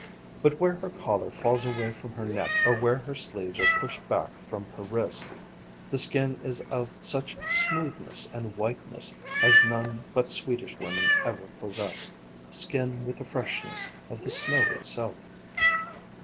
But where her collar falls away from her neck, or where her sleeves are pushed back from her wrist, the skin is of such smoothness and whiteness as none but Swedish women ever possess; skin with the freshness of the snow itself.